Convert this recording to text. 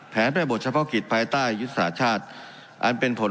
ในบทเฉพาะกิจภายใต้ยุทธศาสตร์ชาติอันเป็นผล